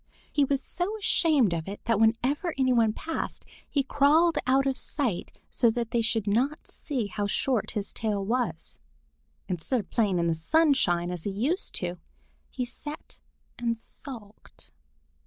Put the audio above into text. He was so ashamed of it that whenever any one passed, he crawled out of sight so that they should not see how short his tail is. Instead of playing in the sunshine as he used to do, he sat and sulked.